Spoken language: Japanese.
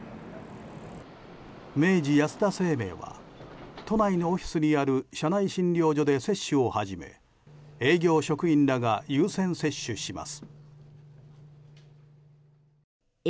明治安田生命は都内のオフィスにある社内診療所で接種を始め営業職員らが優先接種します。